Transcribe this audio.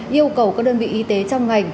yêu cầu các đơn vị y tế trong ngành